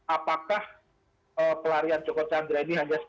apakah pelarian joko chandra ini akan berhasil